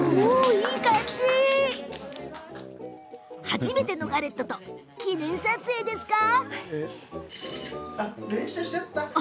初めてのガレットと記念撮影ですか。